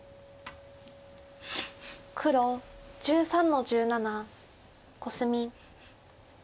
黒１３の十七コスミ。